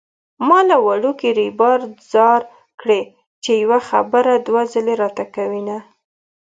ما له وړوکي ريبار ځار کړې چې يوه خبره دوه ځلې راته کوينه